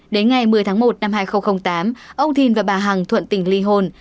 đến ngày một mươi tháng một năm hai nghìn tám ông thìn và bà hằng thuận tỉnh ly hôn